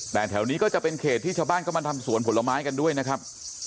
แต่แถวนี้ก็จะเป็นเขตที่ชาวบ้านก็มาทำสวนผลไม้กันด้วยนะครับ